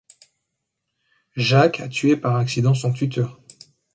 Jacques a tué par accident son tuteur.